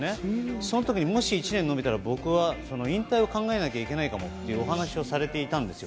その時もし１年延びてたら引退を考えなきゃいけないというお話をされていたんですよ。